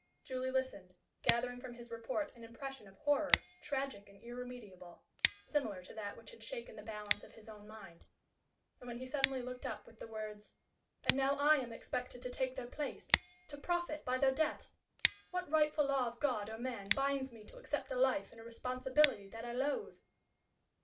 Julie listened, gathering from his report an impression of horror, tragic and irremediable, similar to that which had shaken the balance of his own mind. And when he suddenly looked up with the words, "And now I am expected to take their place to profit by their deaths! What rightful law of God or man binds me to accept a life and a responsibility that I loathe?"